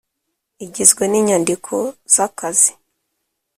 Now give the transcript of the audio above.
igizwe n inyandiko z akazi